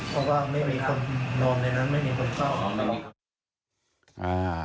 เพราะว่าไม่มีคนนอนในนั้นไม่มีคนเข้านอน